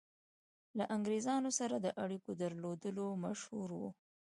له انګرېزانو سره د اړېکو درلودلو مشهور وو.